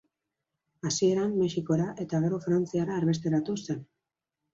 Hasieran Mexikora eta gero Frantziara erbesteratu zen.